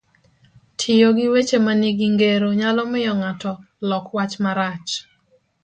Tiyo gi weche manigi ngero nyalo miyo ng'ato lok wach marach,